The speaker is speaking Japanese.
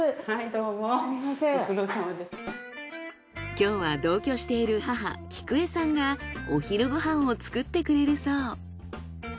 今日は同居している母喜久江さんがお昼ご飯を作ってくれるそう。